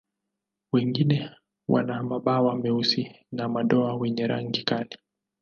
Wengine wana mabawa meusi na madoa wenye rangi kali.